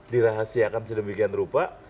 dirahasiakan sedemikian rupa